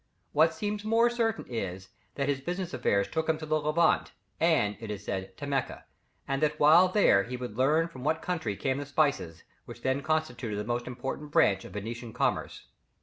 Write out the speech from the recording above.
What seems more certain is, that his business affairs took him to the Levant, and, it is said, to Mecca, and that while there he would learn from what country came the spices, which then constituted the most important branch of Venetian commerce.